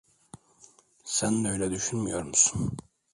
Sen de öyle düşünmüyor musun?